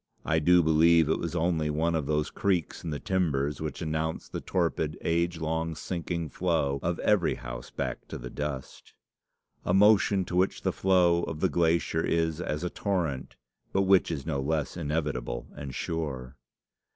I do believe it was only one of those creaks in the timbers which announce the torpid, age long, sinking flow of every house back to the dust a motion to which the flow of the glacier is as a torrent, but which is no less inevitable and sure.